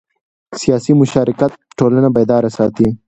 سیاسي مشارکت ټولنه بیداره ساتي